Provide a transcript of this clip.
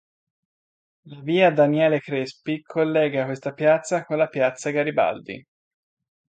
La via Daniele Crespi collega questa piazza con la piazza Garibaldi.